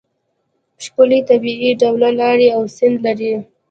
ښکلې طبیعي ډوله لارې او سیند لري.